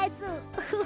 フフフ。